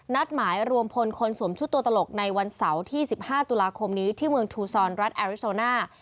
นัดหมายรวมพลคนสวมชุดตัวตลกในวันเสาร์ที่๑๕ตุลาคมนี้ที่เมืองทูซอนรัฐแอริโซน่า